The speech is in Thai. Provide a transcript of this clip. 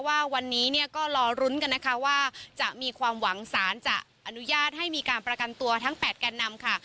ว่าวันนี้เนี่ยก็รอลุ้นกันนะคะว่าจะมีความหวังสารจะอนุญาตให้มีการประกันตัวทั้ง๘แก่นนำค่ะ